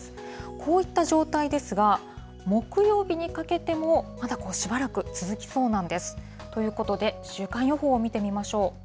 こういった状態ですが、木曜日にかけてもまだしばらく続きそうなんです。ということで、週間予報を見てみましょう。